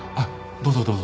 どうぞどうぞ。